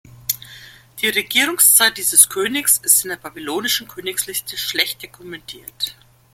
Die Regierungszeit dieses Königs ist in der babylonischen Königsliste schlecht dokumentiert.